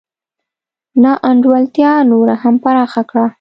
نا انډولتیا نوره هم پراخه کړه.